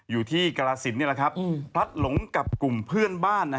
อยู่ที่กรสินพลัดหลงกับกลุ่มเพื่อนบ้าน